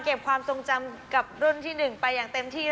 ความทรงจำกับรุ่นที่๑ไปอย่างเต็มที่